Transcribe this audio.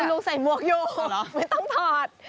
คุณลุงใส่มวกอยู่ไม่ต้องถอด